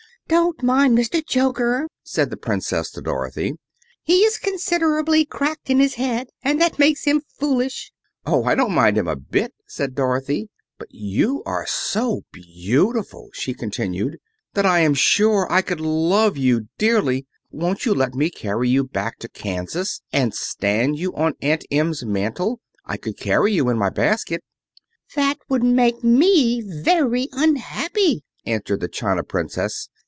"Don't mind Mr. Joker," said the Princess to Dorothy. "He is considerably cracked in his head, and that makes him foolish." "Oh, I don't mind him a bit," said Dorothy. "But you are so beautiful," she continued, "that I am sure I could love you dearly. Won't you let me carry you back to Kansas, and stand you on Aunt Em's mantel? I could carry you in my basket." "That would make me very unhappy," answered the china Princess.